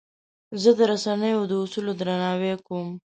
زه د رسنیو د اصولو درناوی کوم.